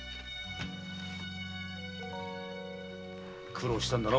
苦労したんだな。